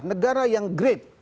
negara yang great